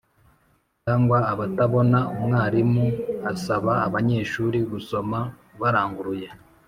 cyangwa abatabona, umwarimu asaba abanyeshuri gusoma baranguruye